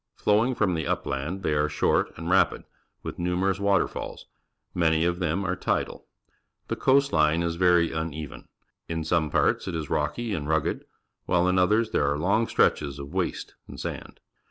Flowing from the upland, they are short and rapid, with numerous waterfalls; man}' of them are tidal. The coast line is very une\en. In some parts it is rocky and rugged, while in others there are long stretches of waste and sand.